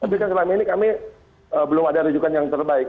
tapi kan selama ini kami belum ada rujukan yang terbaik